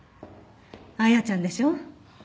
亜矢ちゃんでしょう？